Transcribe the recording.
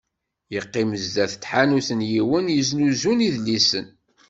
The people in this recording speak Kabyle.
Yeqqim sdat n tḥanut n yiwen yesnuzun idlisen.